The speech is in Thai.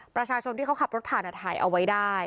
ประชาชนที่เขาขับรถผ่านถ่ายเอาไว้ได้